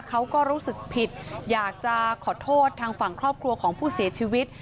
เขาก็รู้สึกผิดอยากจะขอโทษทางฝั่งครอบครัวของผู้เสียชีวิต